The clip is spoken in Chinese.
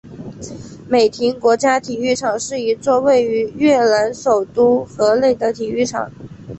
美亭国家体育场是一座位于越南首都河内的体育场。